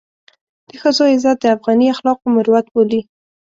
د ښځو عزت د افغاني اخلاقو مروت بولي.